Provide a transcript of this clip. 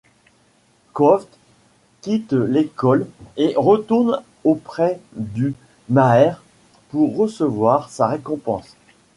Kvothe quitte l'école et retourne auprès du Maer pour recevoir sa récompense.